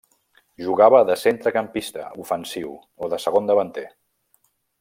Jugava de centrecampista ofensiu o de segon davanter.